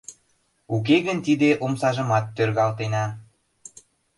Уке гын тиде омсажымат тӧргалтена.